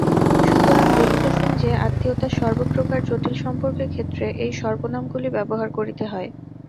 সুতরাং দেখিতেছেন যে, আত্মীয়তার সর্বপ্রকার জটিল সম্পর্কের ক্ষেত্রে এই সর্বনামগুলি ব্যবহার করিতে হয়।